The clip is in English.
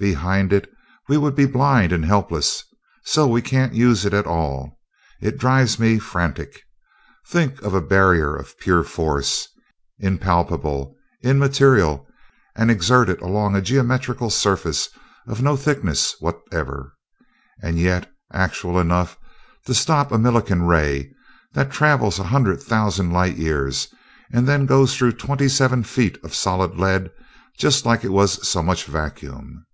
Behind it, we would be blind and helpless, so we can't use it at all. It drives me frantic! Think of a barrier of pure force, impalpable, immaterial, and exerted along a geometrical surface of no thickness whatever and yet actual enough to stop even a Millikan ray that travels a hundred thousand light years and then goes through twenty seven feet of solid lead just like it was so much vacuum!